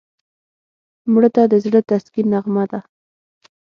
مړه ته د زړه تسکین نغمه ده